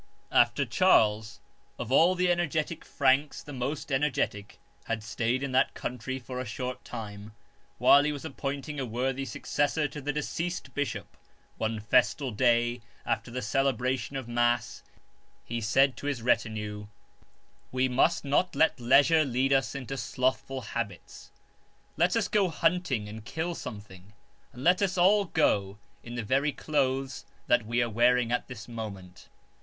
After Charles, of all the energetic Franks the most energetic, had stayed in that country for a short time, 148 A HUNTING PARTY while he was appointing a worthy successor to the deceased bishop, one festal day after the celebration of mass he said to his retinue :We must not let leisure lead us into slothful habits : let us go hunting and kill something ; and let us all go in the very clothes that we are wearing at this moment."